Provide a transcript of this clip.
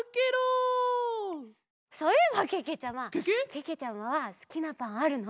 けけちゃまはすきなパンあるの？